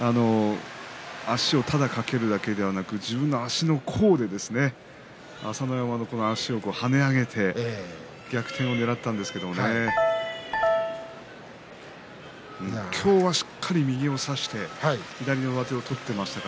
足をただかけるだけではなく足の甲で朝乃山の足を跳ね上げて逆転をねらったんですが今日はしっかり右を差して左の上手を取っていました。